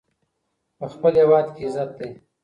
په خپل هېواد کې عزت دی.